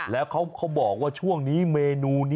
แล้วเขาบอกว่าช่วงนี้เมนูนี้